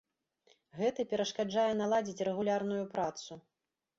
Гэта перашкаджае наладзіць рэгулярную працу.